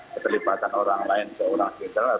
keterlibatan orang lain seorang jenderal